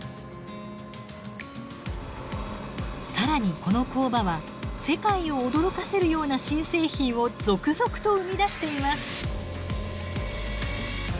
更にこの工場は世界を驚かせるような新製品を続々と生み出しています。